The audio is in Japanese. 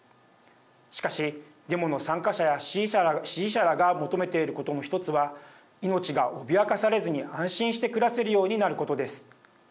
しかしデモの参加者や支持者らが求めていることの１つは命が脅かされずに安心して暮らせるようになることです。